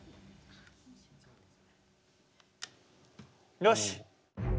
よし！